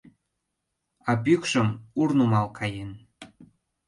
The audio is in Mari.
А пӱкшым Ур нумал каен.